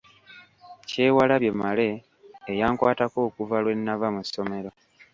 Kyewalabye Male eyankwatako okuva lwe nava mu ssomero.